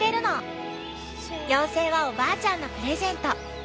妖精はおばあちゃんのプレゼント。